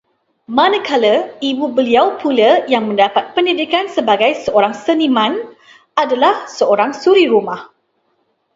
Manakala ibu beliau pula yang mendapat pendidikan sebagai seorang seniman, adalah seorang suri rumah